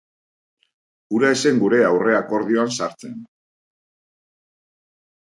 Hura ez zen gure aurre-akordioan sartzen.